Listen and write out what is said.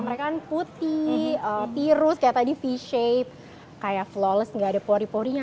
mereka kan putih biru kayak tadi v shape kayak flawless nggak ada pori porinya